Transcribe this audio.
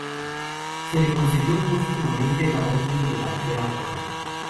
Se le concedió póstumamente la Orden de la Bandera Roja.